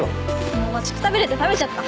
もう待ちくたびれて食べちゃった。